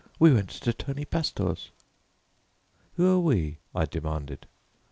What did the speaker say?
We went to Tony Pastor's." "Who are 'we'?" I demanded.